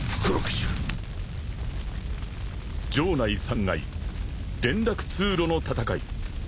［城内３階連絡通路の戦い］